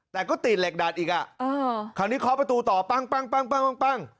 แต่ก็ติดเหล็กดัดอีกอ่ะคราวนี้เคาะประตูต่อปั้ง